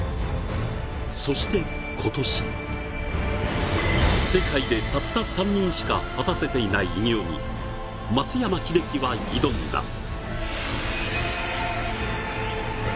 そして今年、世界でたった３人しか果たせていない偉業に松山英樹は挑んだ。